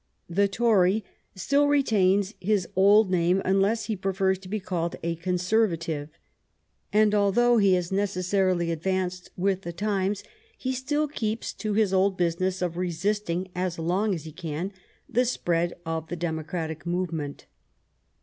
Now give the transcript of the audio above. The Tory still retains his old name, unless he prefers to be called a Conservative, and although he has necessarily advanced with the times, he still keeps to his old business of resisting as long as he can the spread of the democratic movement.